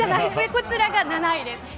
こちらが７位です。